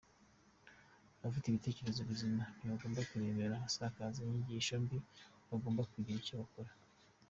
Abafite ibitekerezo bizima ntibagomba kurebera abasakaza inyigisho mbi, bagomba kugira icyo bakora.